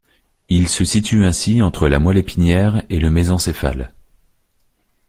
Il se situe ainsi entre la moelle épinière et le mésencéphale.